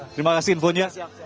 terima kasih infonya